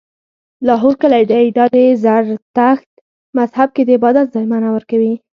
لاهور کلی دی، دا د زرتښت مذهب کې د عبادت ځای معنا ورکوي